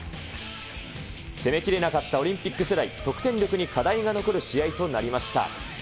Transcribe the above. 攻めきれなかったオリンピック世代、得点力に課題が残る試合となりました。